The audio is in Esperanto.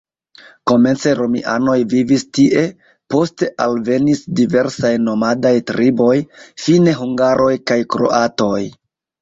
Komence romianoj vivis tie, poste alvenis diversaj nomadaj triboj, fine hungaroj kaj kroatoj.